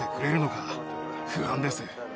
不安です。